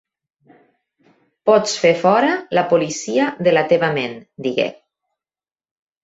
"Pots fer fora la policia de la teva ment", digué.